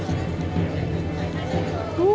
โอเค